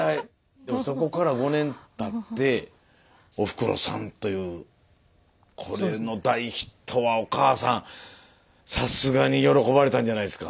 でもそこから５年たって「おふくろさん」というこれの大ヒットはお母さんさすがに喜ばれたんじゃないんですか？